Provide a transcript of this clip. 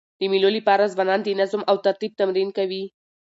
د مېلو له پاره ځوانان د نظم او ترتیب تمرین کوي.